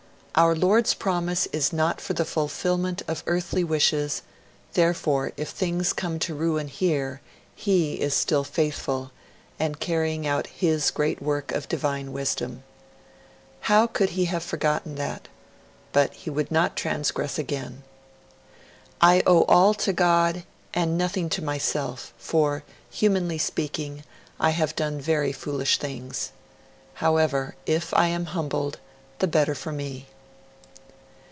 'Our Lord's promise is not for the fulfilment of earthly wishes; therefore, if things come to ruin here He is still faithful, and is carrying out His great work of divine wisdom.' How could he have forgotten that? But he would not transgress again. 'I owe all to God, and nothing to myself, for, humanly speaking, I have done very foolish things. However, if I am humbled, the better for me.'